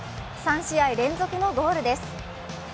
３試合連続のゴールです。